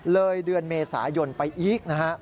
เลยเดือนเมษายนไปอีกนะฮะ